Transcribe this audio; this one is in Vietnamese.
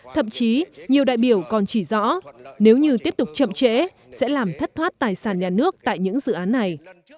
thậm chí nhiều đại biểu còn chỉ rõ nếu như tiếp tục chậm trễ sẽ làm thất thoát tài sản nhà nước tại những dự án này